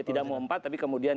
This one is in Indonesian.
tidak mau empat tapi kemudian